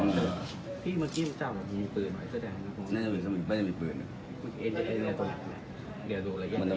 เดี๋ยวซักพักเดินเจ๊ออกมา